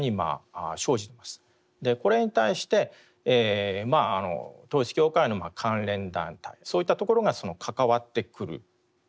これに対して統一教会の関連団体そういったところが関わってくるんですね。